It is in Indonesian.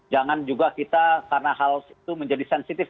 jangan juga kita karena hal itu menjadi sensitif